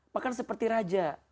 makan seperti raja